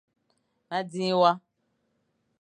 Ma dzing wa.